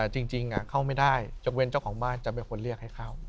จริงเข้าไม่ได้ยกเว้นเจ้าของบ้านจะเป็นคนเรียกให้เข้า